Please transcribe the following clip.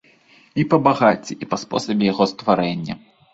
І па багацці, і па спосабе яго стварэння.